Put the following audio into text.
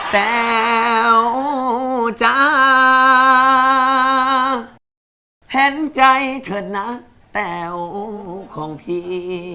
แต๋วจ้าเห็นใจเถอะนะแต๋วของพี่